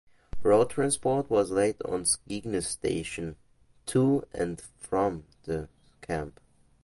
Road transport was laid on from Skegness station to and from the Camp.